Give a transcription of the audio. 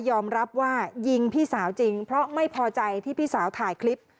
ยอมรับว่ายิงพี่สาวจริงเพราะไม่พอใจที่พี่สาวถ่ายคลิป